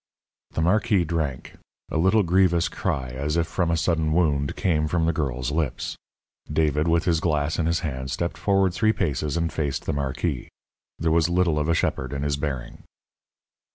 The marquis drank. A little grievous cry, as if from a sudden wound, came from the girl's lips. David, with his glass in his hand, stepped forward three paces and faced the marquis. There was little of a shepherd in his bearing.